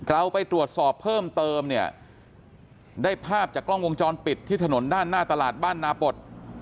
เราไปตรวจสอบเพิ่มเติมเนี่ยได้ภาพจากกล้องวงจรปิดที่ถนนด้านหน้าตลาดบ้านนาปฏ